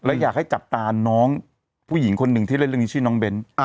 แล้วอยากให้จับตาน้องผู้หญิงคนหนึ่งที่เล่นเรื่องนี้ชื่อน้องเบ้น